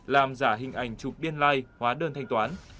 làm giả hình ảnh chụp biên like hóa đơn thanh toán